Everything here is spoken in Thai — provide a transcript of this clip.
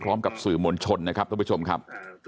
พร้อมกับสื่อมวลชนนะครับท่านผู้ชมครับ